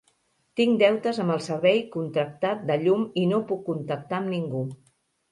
Tinc deutes amb el servei contractat de llum i no puc contactar amb ningú.